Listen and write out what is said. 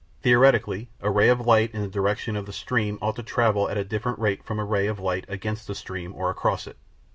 Theoretically, a ray of light in the direction of the stream ought to travel at a different rate from a ray of light against the stream or across it.